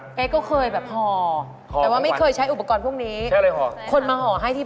แต่ไม่เคยใช้อุปกรณ์พวกนี้